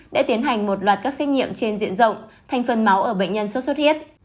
đã tiến hành một loạt các xét nghiệm trên diện rộng thành phần máu ở bệnh nhân sốt xuất huyết